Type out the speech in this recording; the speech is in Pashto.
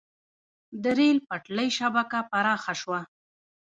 د ریل پټلۍ شبکه پراخه شوه.